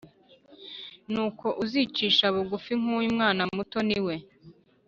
Nuko uzicisha bugufi nk uyu mwana muto ni we